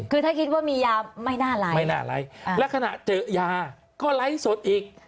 คือถ้าคิดว่ามียาไม่น่าไร้ไม่น่าไร้และขณะเจอยาก็ไลฟ์สดอีก